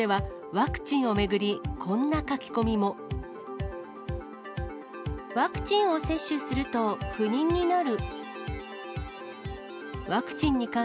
ワクチンを接種すると、不妊になる。